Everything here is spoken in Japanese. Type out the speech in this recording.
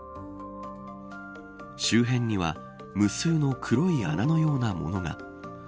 周辺には無数の黒い穴のようなものが。